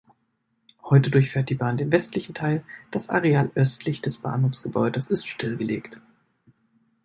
Heute durchfährt die Bahn den westlichen Teil, das Areal östlich des Bahnhofsgebäudes ist stillgelegt.